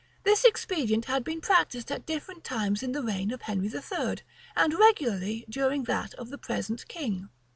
This expedient had been practised at different times in the reign of Henry III.,[*] and regularly during that of the present king.